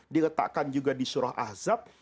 diletakkan juga di surah ahzab